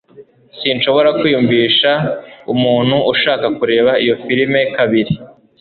Sinshobora kwiyumvisha umuntu ushaka kureba iyo firime kabiri